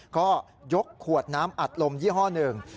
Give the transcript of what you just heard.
ก็ยกขวดน้ำอัดลมยี่ห้อหนึ่ง